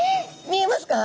見えますか？